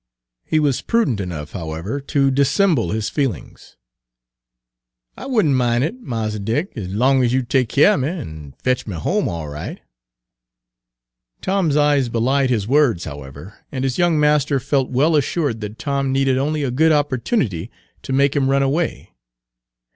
He was prudent enough, however, to dissemble his feelings. "I would n't min' it, Mars Dick, ez long ez you'd take keer er me an' fetch me home all right." Tom's eyes belied his words, however, and his young master felt well assured that Tom needed only a good opportunity to make him run away.